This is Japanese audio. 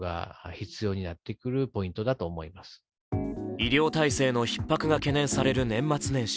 医療体制のひっ迫が懸念される年末年始。